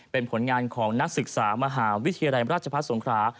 เป็นผลงานของนักศึกษามหาวิทยาลัยราชพัฒน์สงครา